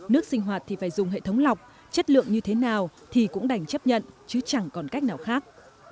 nước sinh hoạt thì phải dùng hệ thống lọc chất lượng như thế nào thì cũng đành chấp nhận chứ chẳng còn cách nào khác